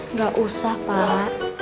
enggak usah pak